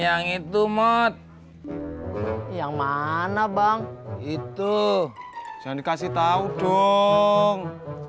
yang itu mat yang mana bang itu jangan dikasih tahu dong